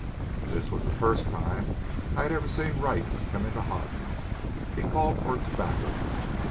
That was the first time I had ever seen Wright come into Hoden's. He called for tobacco.